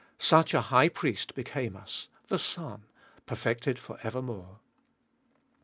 Such a High Priest became us, the Son, perfected for evermore.